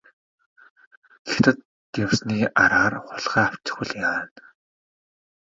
Хятад явсны араар хулгай авчихвал яана.